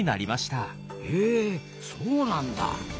へえそうなんだ。